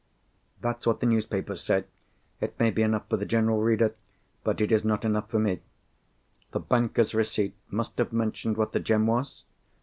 "That's what the newspapers say. It may be enough for the general reader; but it is not enough for me. The banker's receipt must have mentioned what the gem was?"